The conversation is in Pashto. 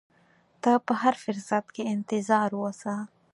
ته په هر فرصت کې انتظار اوسه.